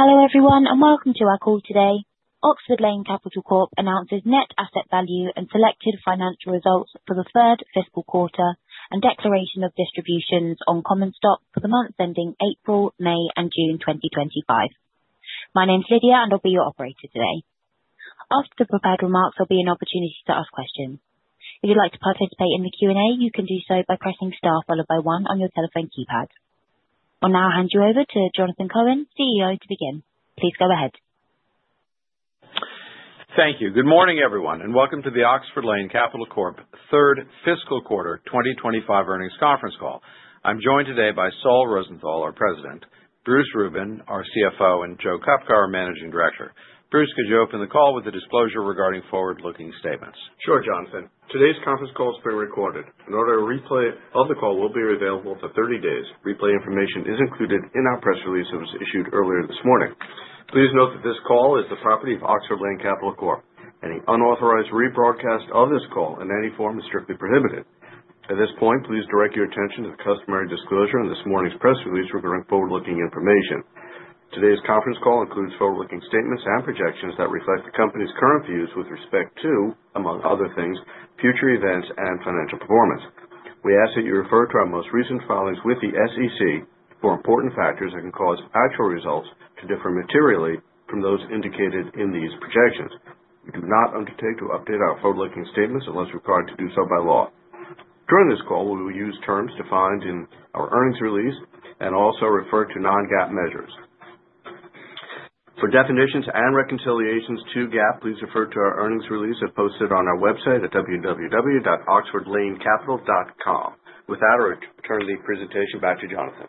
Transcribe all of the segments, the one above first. Hello everyone and welcome to our call today. Oxford Lane Capital Corp announces net asset value and selected financial results for the third fiscal quarter and declaration of distributions on common stock for the months ending April, May, and June 2025. My name's Lydia and I'll be your operator today. After the prepared remarks, there'll be an opportunity to ask questions. If you'd like to participate in the Q&A, you can do so by pressing star followed by one on your telephone keypad. I'll now hand you over to Jonathan Cohen, CEO, to begin. Please go ahead. Thank you. Good morning everyone and welcome to the Oxford Lane Capital Corp Third Fiscal Quarter 2025 Earnings Conference Call. I'm joined today by Saul Rosenthal, our President; Bruce Rubin, our CFO; and Joe Kupka, our Managing Director. Bruce, could you open the call with a disclosure regarding forward-looking statements? Sure, Jonathan. Today's conference call has been recorded. An audio replay of the call will be available for 30 days. Replay information is included in our press release that was issued earlier this morning. Please note that this call is the property of Oxford Lane Capital Corp. Any unauthorized rebroadcast of this call in any form is strictly prohibited. At this point, please direct your attention to the customary disclosure in this morning's press release regarding forward-looking information. Today's conference call includes forward-looking statements and projections that reflect the company's current views with respect to, among other things, future events and financial performance. We ask that you refer to our most recent filings with the SEC for important factors that can cause actual results to differ materially from those indicated in these projections. We do not undertake to update our forward-looking statements unless required to do so by law. During this call, we will use terms defined in our earnings release and also refer to non-GAAP measures. For definitions and reconciliations to GAAP, please refer to our earnings release as posted on our website at www.oxfordlanecapital.com. With that, I'll return the presentation back to Jonathan.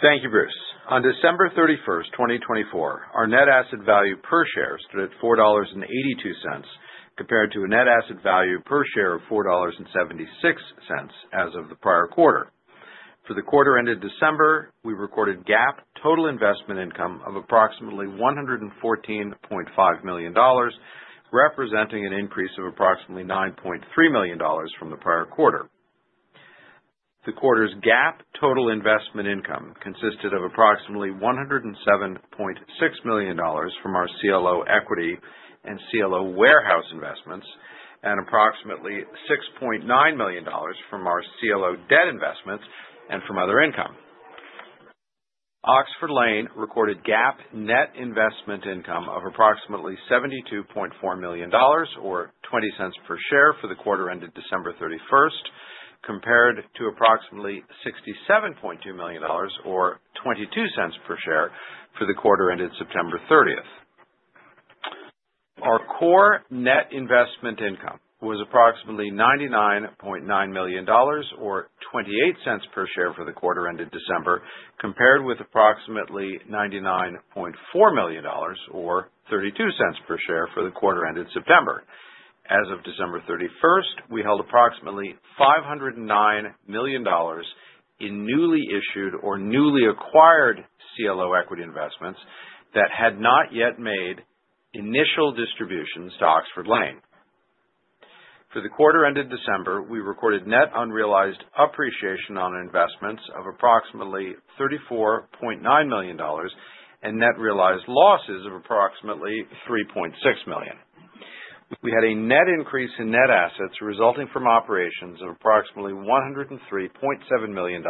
Thank you, Bruce. On December 31st, 2024, our net asset value per share stood at $4.82 compared to a net asset value per share of $4.76 as of the prior quarter. For the quarter ended December, we recorded GAAP total investment income of approximately $114.5 million, representing an increase of approximately $9.3 million from the prior quarter. The quarter's GAAP total investment income consisted of approximately $107.6 million from our CLO equity and CLO warehouse investments and approximately $6.9 million from our CLO debt investments and from other income. Oxford Lane recorded GAAP net investment income of approximately $72.4 million, or $0.20 per share, for the quarter ended December 31st, compared to approximately $67.2 million, or $0.22 per share, for the quarter ended September 30th. Our core net investment income was approximately $99.9 million, or $0.28 per share, for the quarter ended December, compared with approximately $99.4 million, or $0.32 per share, for the quarter ended September. As of December 31st, we held approximately $509 million in newly issued or newly acquired CLO equity investments that had not yet made initial distributions to Oxford Lane. For the quarter ended December, we recorded net unrealized appreciation on investments of approximately $34.9 million and net realized losses of approximately $3.6 million. We had a net increase in net assets resulting from operations of approximately $103.7 million,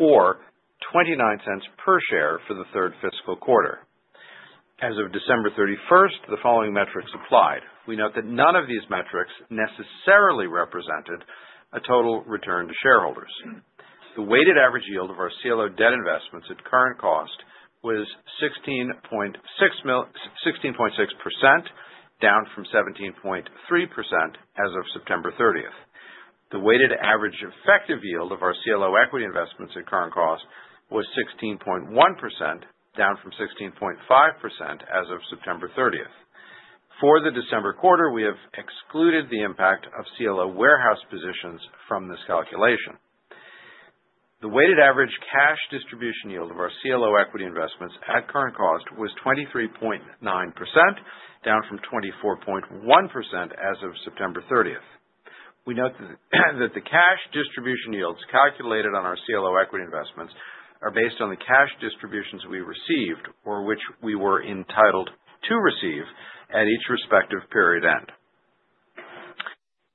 or $0.29 per share, for the third fiscal quarter. As of December 31st, the following metrics applied. We note that none of these metrics necessarily represented a total return to shareholders. The weighted average yield of our CLO debt investments at current cost was 16.6%, down from 17.3% as of September 30th. The weighted average effective yield of our CLO equity investments at current cost was 16.1%, down from 16.5% as of September 30th. For the December quarter, we have excluded the impact of CLO warehouse positions from this calculation. The weighted average cash distribution yield of our CLO equity investments at current cost was 23.9%, down from 24.1% as of September 30th. We note that the cash distribution yields calculated on our CLO equity investments are based on the cash distributions we received or which we were entitled to receive at each respective period end.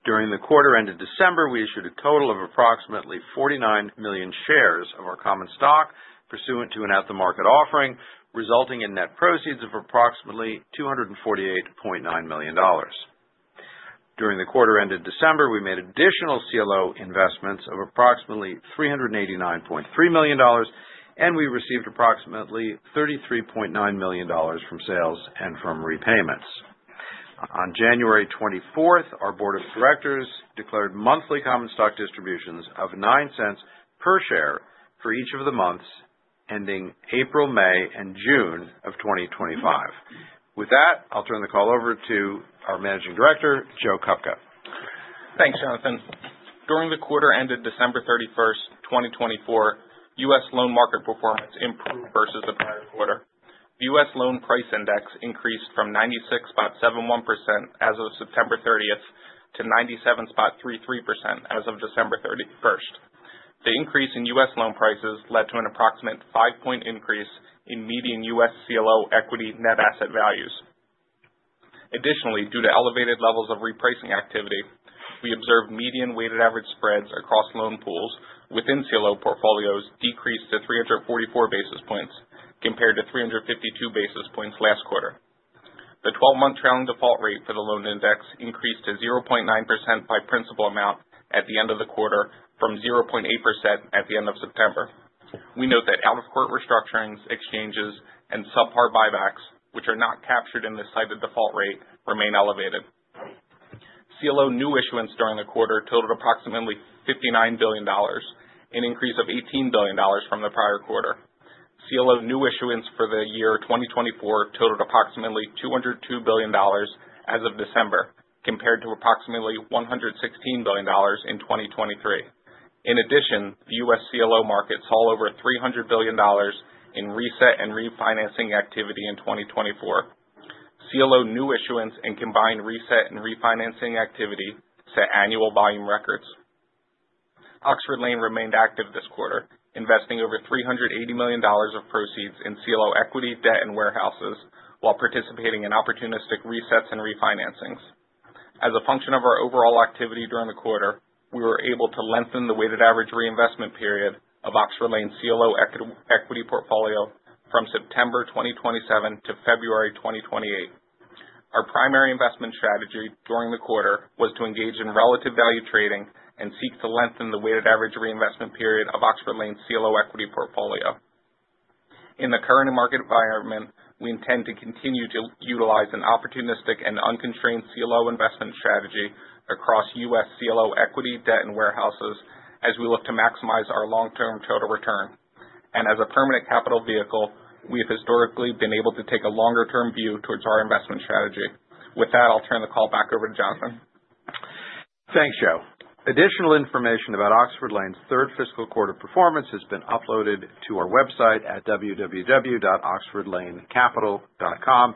During the quarter ended December, we issued a total of approximately 49 million shares of our common stock pursuant to an at-the-market offering, resulting in net proceeds of approximately $248.9 million. During the quarter ended December, we made additional CLO investments of approximately $389.3 million, and we received approximately $33.9 million from sales and from repayments. On January 24th, our board of directors declared monthly common stock distributions of $0.09 per share for each of the months ending April, May, and June of 2025. With that, I'll turn the call over to our Managing Director, Joe Kupka. Thanks, Jonathan. During the quarter ended December 31st, 2024, U.S. loan market performance improved versus the prior quarter. The U.S. loan price index increased from 96.71% as of September 30th to 97.33% as of December 31st. The increase in U.S. loan prices led to an approximate five-point increase in median U.S. CLO equity net asset values. Additionally, due to elevated levels of repricing activity, we observed median weighted average spreads across loan pools within CLO portfolios decrease to 344 basis points compared to 352 basis points last quarter. The 12-month trailing default rate for the loan index increased to 0.9% by principal amount at the end of the quarter from 0.8% at the end of September. We note that out-of-court restructurings, exchanges, and sub-par buybacks, which are not captured in this cited default rate, remain elevated. CLO new issuance during the quarter totaled approximately $59 billion, an increase of $18 billion from the prior quarter. CLO new issuance for the year 2024 totaled approximately $202 billion as of December compared to approximately $116 billion in 2023. In addition, the U.S. CLO market saw over $300 billion in reset and refinancing activity in 2024. CLO new issuance and combined reset and refinancing activity set annual volume records. Oxford Lane remained active this quarter, investing over $380 million of proceeds in CLO equity, debt, and warehouses while participating in opportunistic resets and refinancings. As a function of our overall activity during the quarter, we were able to lengthen the weighted average reinvestment period of Oxford Lane's CLO equity portfolio from September 2027 to February 2028. Our primary investment strategy during the quarter was to engage in relative value trading and seek to lengthen the weighted average reinvestment period of Oxford Lane's CLO equity portfolio. In the current market environment, we intend to continue to utilize an opportunistic and unconstrained CLO investment strategy across U.S. CLO equity, debt, and warehouses as we look to maximize our long-term total return. And as a permanent capital vehicle, we have historically been able to take a longer-term view towards our investment strategy. With that, I'll turn the call back over to Jonathan. Thanks, Joe. Additional information about Oxford Lane's third fiscal quarter performance has been uploaded to our website at www.oxfordlanecapital.com.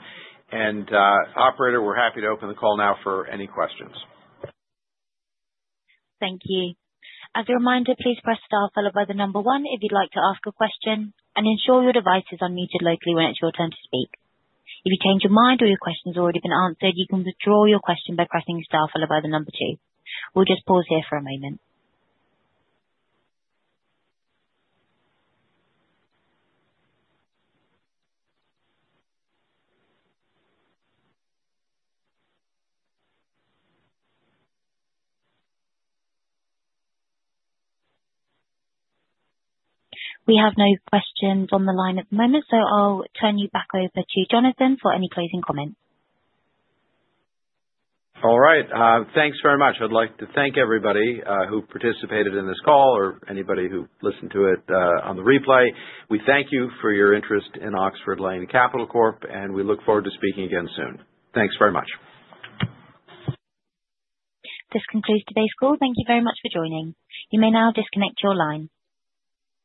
And, Operator, we're happy to open the call now for any questions. Thank you. As a reminder, please press star followed by the number one if you'd like to ask a question, and ensure your device is unmuted locally when it's your turn to speak. If you change your mind or your question's already been answered, you can withdraw your question by pressing star followed by the number two. We'll just pause here for a moment. We have no questions on the line at the moment, so I'll turn you back over to Jonathan for any closing comments. All right. Thanks very much. I'd like to thank everybody who participated in this call or anybody who listened to it on the replay. We thank you for your interest in Oxford Lane Capital Corp, and we look forward to speaking again soon. Thanks very much. This concludes today's call. Thank you very much for joining. You may now disconnect your line.